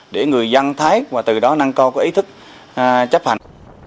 để người dân thấy và từ đó năng co có ý thức chấp hành